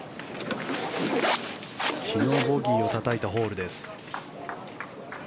昨日、ボギーをたたいたホールです。